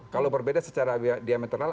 kalau berbeda secara diametral